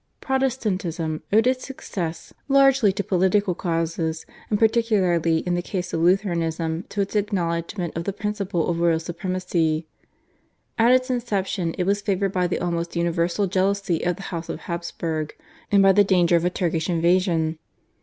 Protestantism owed its success largely to political causes, and particularly in the case of Lutheranism to its acknowledgment of the principle of royal supremacy. At its inception it was favoured by the almost universal jealousy of the House of Habsburg and by the danger of a Turkish invasion.